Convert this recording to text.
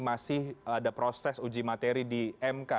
masih ada proses uji materi di mk